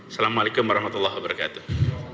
assalamualaikum warahmatullahi wabarakatuh